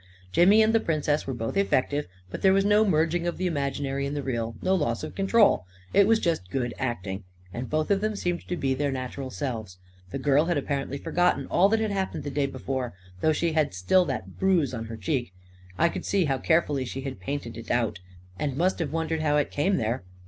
Jimmy and the Princess were both effective, but there was no merging of the imaginary in the real — no loss of control. It was just good acting. And both of them seemed to be their natural selves. The girl had apparently forgotten all that had happened the day before — though she had still that bruise on her cheek — I could see how carefully she had painted it out — and must have wondered how it came there